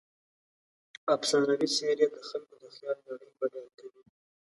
افسانوي څیرې د خلکو د خیال نړۍ بډایه کوي.